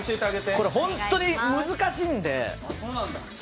これ本当に難しいんで。